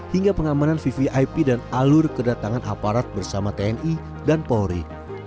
hingga pengamanan vvip dan alur kedatangan aparat bersama tni dan polri